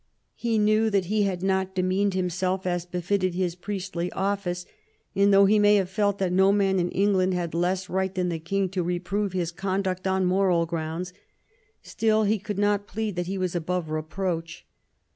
He knew that he had not demeaned himself as befitted his priestly office ; and though he may have felt that no man in England had less right than the king to reprove his conduct on moral grounds, still he could not plead that he was above reproach.